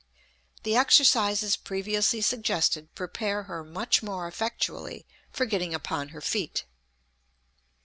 The exercises previously suggested prepare her much more effectually for getting upon her feet.